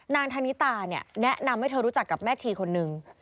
นางธนิตาเนี่ยแนะนำให้เธอรู้จักกับแม่ชีคนหนึ่ง